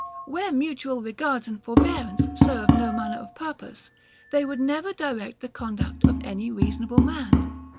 Where mutual regards and forbearance serve to no manner of purpose, they would never direct the conduct of any reasonable man.